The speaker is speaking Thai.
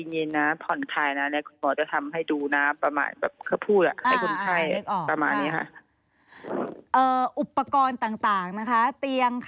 เตียงขายางหรืออุปกรณ์ที่คุณหมอใช้เนี่ย